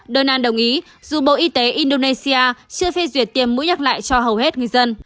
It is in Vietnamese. donald ý dù bộ y tế indonesia chưa phê duyệt tiêm mũi nhắc lại cho hầu hết ngư dân